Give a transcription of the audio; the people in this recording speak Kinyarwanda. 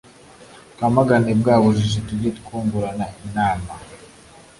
twamagane bwa bujiji tujye twungurana inama